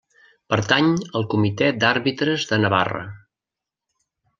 Pertany al Comitè d'Àrbitres de Navarra.